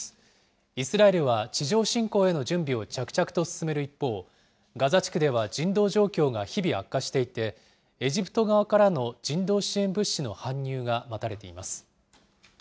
イスラエルは地上侵攻への準備を着々と進める一方、ガザ地区では人道状況が日々悪化していて、エジプト側からの人道支援物資の搬入が待たれています。